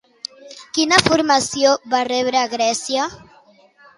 Quina formació va rebre a Grècia?